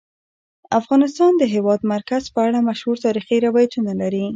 افغانستان د د هېواد مرکز په اړه مشهور تاریخی روایتونه لري.